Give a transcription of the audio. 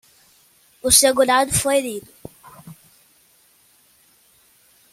O segurado foi lido